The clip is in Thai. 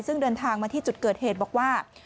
ซึ่งเดินทางมาที่จุดเกิดเหตุบอกว่า